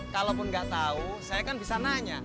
kalaupun gak tau saya kan bisa nanya